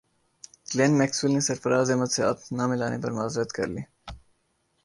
Glenn Maxwell نے سرفراز احمد سے ہاتھ نہ ملانے پر معذرت کر لی